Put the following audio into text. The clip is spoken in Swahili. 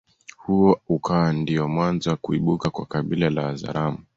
Huo ukawa ndiyo mwanzo wa kuibuka kwa kabila la Wazaramo